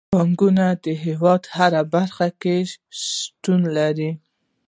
بانکونه د هیواد په هره برخه کې شتون لري.